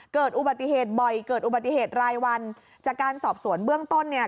เกิดอุบัติเหตุบ่อยเกิดอุบัติเหตุรายวันจากการสอบสวนเบื้องต้นเนี่ย